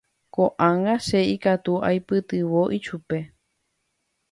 Ko'ág̃a che ikatu aipytyvõ ichupe.